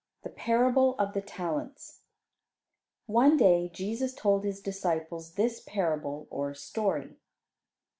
] THE PARABLE OF THE TALENTS One day Jesus told His disciples this parable or story.